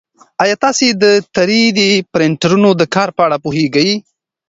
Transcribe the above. ایا تاسي د تری ډي پرنټرونو د کار په اړه پوهېږئ؟